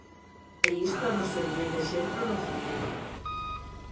E isto hanos servir de exemplo no futuro.